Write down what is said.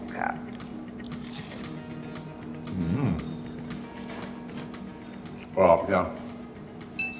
กรอบเงียบ